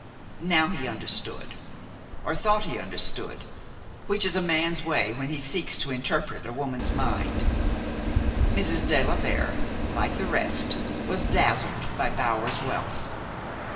Now he understood, or thought he understood, which is a man's way when he seeks to interpret a woman's mind. Mrs. de la Vere, like the rest, was dazzled by Bower's wealth.